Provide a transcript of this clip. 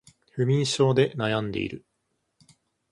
不眠症で悩んでいる